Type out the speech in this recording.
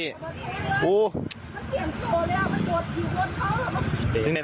มันเตียงโย่ไม่ได้ตั้งเนี้ย